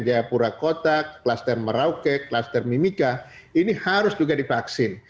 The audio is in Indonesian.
jayapura kota kluster merauke klaster mimika ini harus juga divaksin